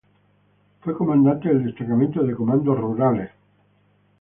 Fue Comandante del Destacamento de Comandos Rurales Nro.